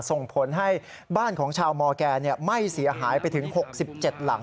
ส่งผลให้บ้านของชาวมอร์แกไม่เสียหายไปถึง๖๗หลัง